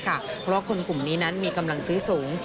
เพราะว่าคนกลุ่มนี้นั้นมีกำลังซื้อสูง